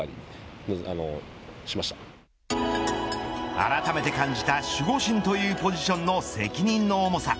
あらためて感じた守護神というポジションの責任の重さ。